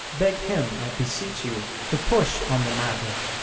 Beg him, I beseech you, to push on the matter."